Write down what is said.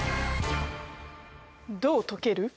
どう解ける？